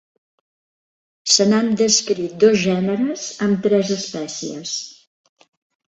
Se n'han descrit dos gèneres amb tres espècies.